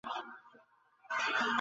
তোমার জন্য সিট রাখবো।